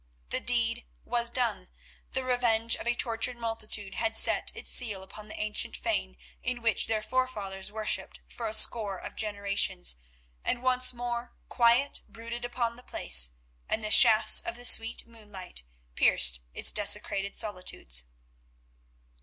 The deed was done, the revenge of a tortured multitude had set its seal upon the ancient fane in which their forefathers worshipped for a score of generations, and once more quiet brooded upon the place, and the shafts of the sweet moonlight pierced its desecrated solitudes.